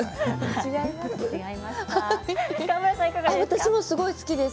違います。